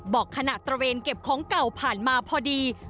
บอกขณะตระเวนเก็บของเก่าผ่านมาพอดี